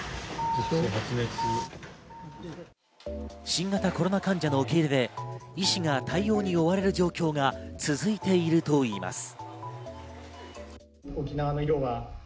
新型コロナ患者の受け入れで医師が対応に追われる状況が続いているといいます。